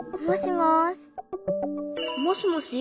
もしもし？